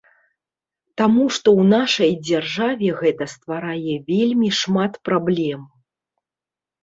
Таму што ў нашай дзяржаве гэта стварае вельмі шмат праблем.